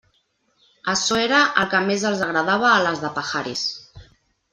Açò era el que més els agradava a les de Pajares.